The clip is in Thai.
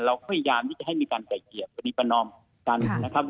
เราพยายามจะให้มีการก่ายเกี่ยวตัดดุประนอมกัน